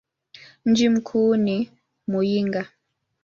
Mji mkuu ni Muyinga.